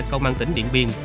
công an tỉnh điện biên